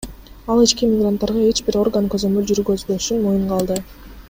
Ал ички мигранттарга эч бир орган көзөмөл жүргүзбөшүн моюнга алды.